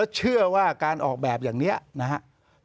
แล้วเชื่อว่าการออกแบบอย่างเนี้ยนะฮะ